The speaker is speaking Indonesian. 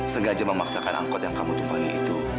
sengaja memaksakan angkot yang kamu tumpangi itu